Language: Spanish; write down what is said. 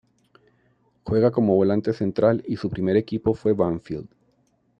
Juega como volante central y su primer equipo fue Banfield.